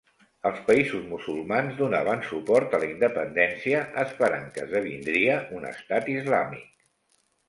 Els països musulmans donaven suport a la independència esperant que esdevindria un estat islàmic.